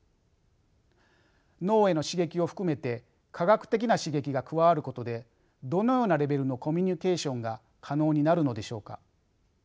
脳への刺激を含めて化学的な刺激が加わることでどのようなレベルのコミュケーションが可能になるのでしょうか？